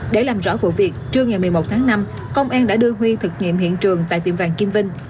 để làm rõ vụ việc trưa ngày một mươi một tháng năm công an đã đưa huy thực nghiệm hiện trường tại tiệm vàng kim vinh